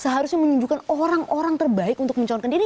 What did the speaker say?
seharusnya menunjukkan orang orang terbaik untuk mencalonkan diri